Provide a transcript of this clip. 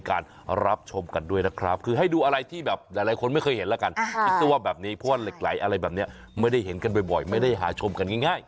อะไรแบบนี้ไม่ได้เห็นกันบ่อยไม่ได้หาชมกันง่าย